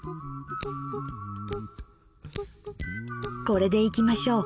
これでいきましょう。